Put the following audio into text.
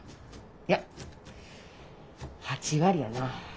いや８割やな。